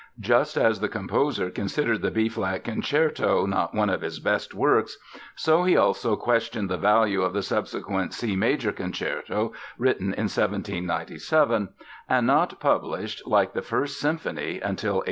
Just as the composer considered the B flat Concerto "not one of his best works," so he also questioned the value of the subsequent C major Concerto, written in 1797 and not published (like the First Symphony) until 1801.